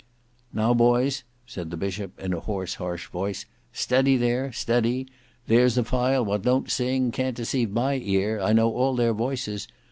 "Now boys," said the bishop, in a hoarse, harsh voice, "steady, there; steady. There's a file what don't sing; can't deceive my ear; I know all their voices.